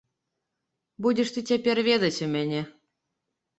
Будзеш ты цяпер ведаць у мяне.